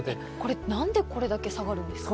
何でこれだけ下がるんですか？